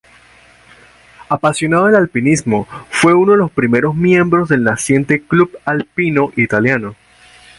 Apasionado del alpinismo, fue uno de los primeros miembros del naciente Club Alpino Italiano.